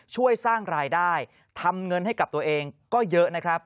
ช่วยสร้างรายได้ทำเงินให้กับตัวเองก็เยอะนะครับ